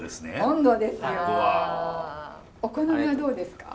お好みはどうですか？